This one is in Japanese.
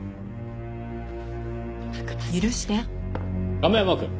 亀山くん。